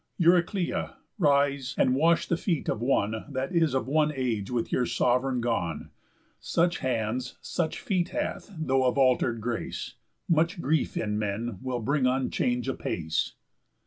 Euryclea, rise, and wash the feet of one That is of one age with your sov'reign gone, Such hands, such feet hath, though of alter'd grace. _Much grief in men will bring on change apace."